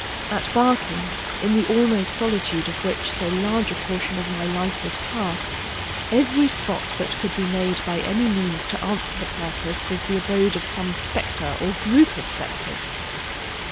At Barking, in the almost solitude of which so large a portion of my life was passed, every spot that could be made by any means to answer the purpose was the abode of some spectre or group of spectres.